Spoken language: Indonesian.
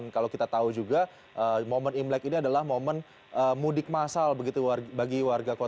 kalau kita tahu juga momen in lag ini adalah momen mudik masal bagi warga di tiongkok